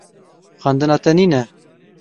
Xwendina te nîne?